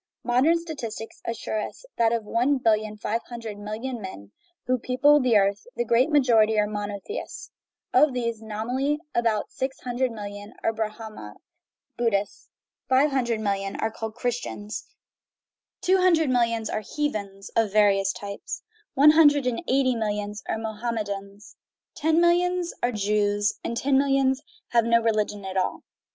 Modern statistics assure us that of the one billion five hundred million men who people the earth the great majority are monotheists ; of these, nominally, about six hundred millions are Brahma Buddhists, five hundred millions are called Christians, two hundred millions are heathens (of various types), one hundred and eighty millions are Mohammedans, ten millions are Jews, and ten millions have no re ligion at all.